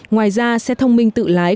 ngoài ra xe thông minh tự lái